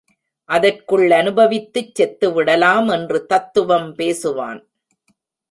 அதற்குள் அனுபவித்துச் செத்துவிடலாம் என்று தத்துவம் பேசுவான்.